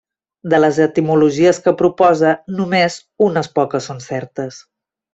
De les etimologies que proposa, només unes poques són certes.